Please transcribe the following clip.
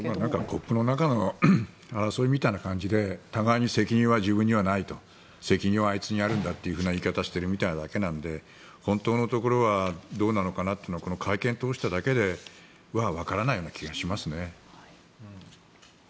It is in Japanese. コップの中の争いみたいな感じで互いに責任は自分にはないと責任はあいつにあるという言い方をしているだけみたいなので本当のところはどうなのかなというのは会見を通しただけではわからないような気がしますね。